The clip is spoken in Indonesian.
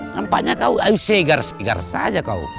nampaknya kau segar segar saja kau